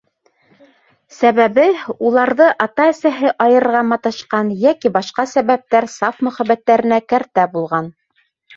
Сәбәбе: уларҙы ата-әсәһе айырырға маташҡан йәки башҡа сәбәптәр саф мөхәббәттәренә кәртә булған.